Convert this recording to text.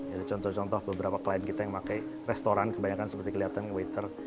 itu contoh contoh beberapa klien kita yang pakai restoran kebanyakan seperti kelihatan waiter